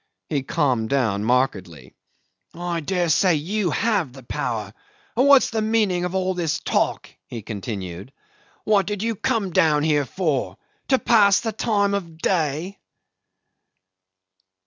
He calmed down markedly. "I dare say you have the power, or what's the meaning of all this talk?" he continued. "What did you come down here for? To pass the time of day?"